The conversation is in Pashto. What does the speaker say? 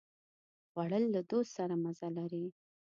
خوړل له دوست سره مزه لري